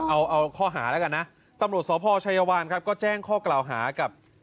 เอาข้อหาระกันนะตำรวจสพชัยวานก็แจ้งข้อกล่าวหากับ